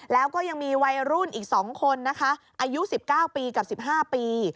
แล้วก็ยังมีวัยรุ่นอีก๒คนนะคะอายุ๑๙ปีกับ๑๕ปี